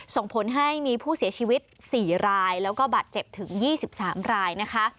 ส่งผลให้มีผู้เสียชีวิต๔รายแล้วก็บาดเจ็บถึง๒๓รายนะคะ